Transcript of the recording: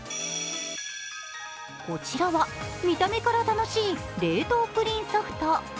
こちらは、見た目から楽しい冷凍プリンソフト。